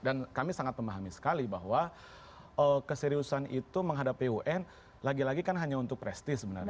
jadi kami sangat memahami sekali bahwa keseriusan itu menghadapi un lagi lagi kan hanya untuk presti sebenarnya